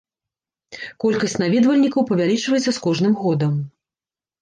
Колькасць наведвальнікаў павялічваецца з кожным годам.